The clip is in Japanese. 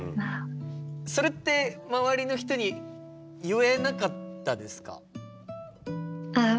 それって周りの人に言えなかったですか？